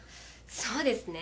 そうですね。